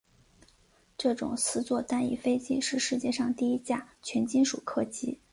这种四座单翼飞机是世界上第一架全金属客机。